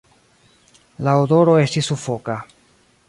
La odoro estis sufoka.